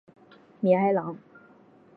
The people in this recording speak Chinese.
米埃朗。